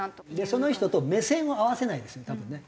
その人と目線を合わせないですね多分ね。